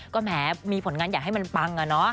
ก็แหมมีผลงานอยากให้มันปังอะเนาะ